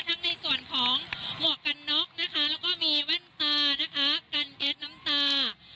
ในส่วนของหมวกกันน็อกนะคะแล้วก็มีแว่นตานะคะกันแก๊สน้ำตา